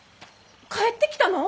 帰ってきたの！？